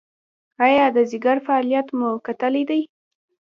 ایا د ځیګر فعالیت مو کتلی دی؟